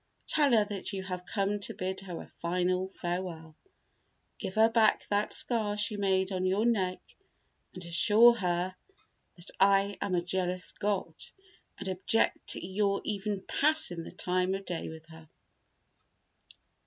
Tell her that you have come to bid her a final farewell. Give her back that scar she made on your neck and assure her that I am a jealous god and object to your even passing the time of day with her."